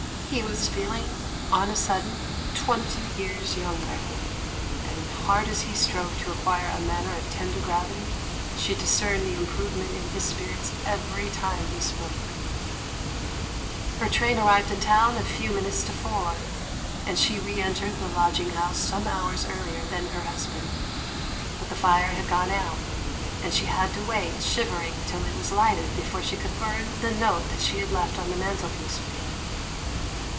He was feeling on a sudden twenty years younger, and, hard as he strove to acquire a manner of tender gravity, she discerned the improvement in his spirits every time he spoke. 258 THE MAN WHO UNDERSTOOD WOMEN Her train arrived in town at a few minutes to four, and she re entered the lodging house some hours earlier than her husband. But the fire had gone out, and she had to wait shivering till it was lighted before she could burn the note that she had left on the mantelpiece for him.